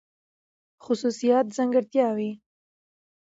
خصوصيات √ ځانګړتياوې